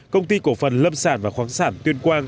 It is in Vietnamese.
công ty cổ phần lâm sản và khoáng sản tuyên quang